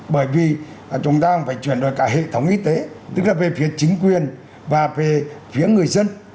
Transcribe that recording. bởi vì chúng ta phải chuyển đổi cả hệ thống y tế tức là về phía chính quyền và về phía người dân